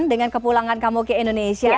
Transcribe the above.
dengan kepulangan kamu ke indonesia